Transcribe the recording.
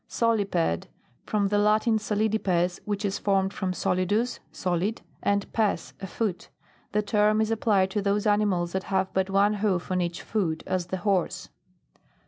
SOLIPEDE. From the Latin, solidipe.s, which is formed from solidus, solid, and pee, a foot. The term is ap plied to those animals that have but one hoof on each foot, as the horse.